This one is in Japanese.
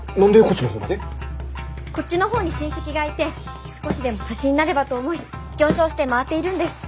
こっちの方に親戚がいて少しでも足しになればと思い行商して回っているんです。